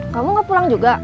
kamu gak pulang juga